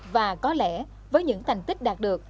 và có lẽ với những thành tích đạt được